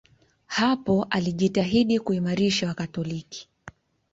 Hapo alijitahidi kuimarisha Wakatoliki.